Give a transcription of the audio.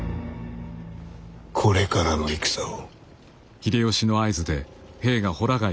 これからの戦を。